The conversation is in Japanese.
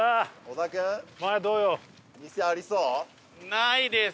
ないです！